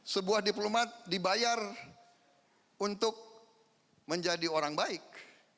sebuah diplomat dibayar untuk menjadi orang baik